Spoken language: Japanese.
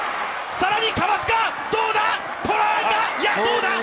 さらにかわすか、どうだ！？